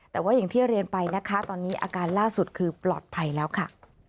แต่ว่าอย่างที่เรียนไปนะคะตอนนี้อาการล่าสุดคือปลอดภัยแล้วค่ะ